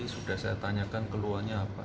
sudah saya tanyakan keluhannya apa